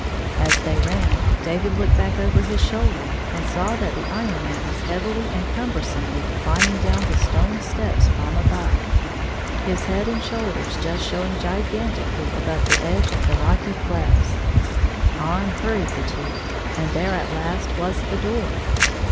As they ran, David looked back over his shoulder, and saw that the Iron Man was heavily and cumber somely climbing down the stone steps from above, his head and shoulders just showing gigantically above the edge of the rocky clefts. On hurried the two, and there, at last, was the door.